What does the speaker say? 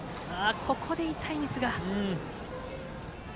ここで痛いミスが。